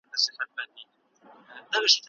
په څېړنه کې بې طرفه قضاوت تر ټولو مهم دی.